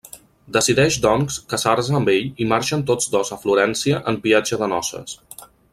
Decideix doncs casar-se amb ell i marxen tots dos a Florència en viatge de noces.